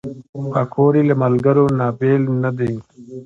پکورې له ملګرو نه بېل نه دي